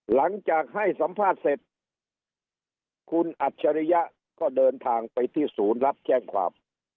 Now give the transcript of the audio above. หลังจากให้สัมภาษณ์เสร็จคุณอัจฉริยะก็เดินทางไปที่ศูนย์รับแจ้งความ